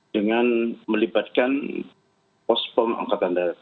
dengan melibatkan pospon angkatan darat